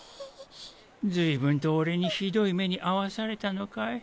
随分と俺にひどい目に遭わされたのかい？